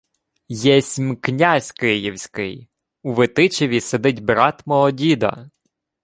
— Єсмь князь київський. У Витичеві сидить брат мого діда.